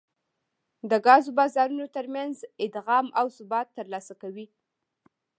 د ګازو بازارونو ترمنځ ادغام او ثبات ترلاسه کوي